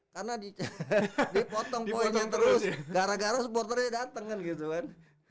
karena dipotong poinnya terus gara gara supporternya datang kan gitu kan